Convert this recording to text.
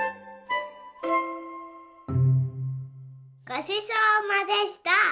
ごちそうさまでした。